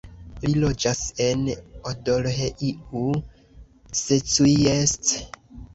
Li loĝas en Odorheiu Secuiesc.